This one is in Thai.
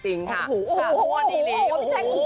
โอ้โหพี่แจ๊กโอ้โหโอ้โหโอ้โห